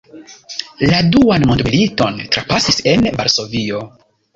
La duan mondmiliton trapasis en Varsovio.